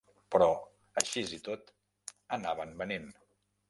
Però aixís i tot, anaven venent.